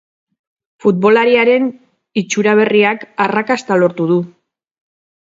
Futbolariaren itxura berriak arrakasta lortu du.